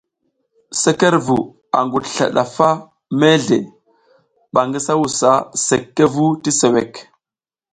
Sekerevu a ngudusla ndafa mezle, ɓa ngi ngisa wusa sekvu ti suwek.